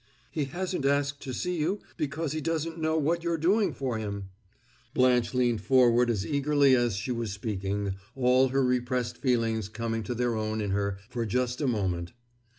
"He hasn't asked to see you because he doesn't know what you're doing for him!" Blanche leaned forward as eagerly as she was speaking, all her repressed feelings coming to their own in her for just a moment.